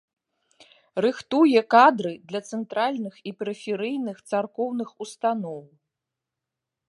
Рыхтуе кадры для цэнтральных і перыферыйных царкоўных устаноў.